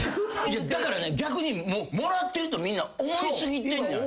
だから逆にもらってるとみんな思い過ぎてんじゃ。